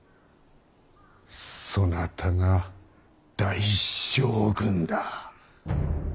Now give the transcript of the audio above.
そなたが大将軍だ。